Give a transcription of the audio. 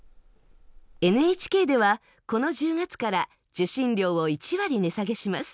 ＮＨＫではこの１０月から受信料を１割値下げします。